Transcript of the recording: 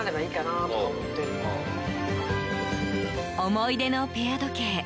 思い出のペア時計。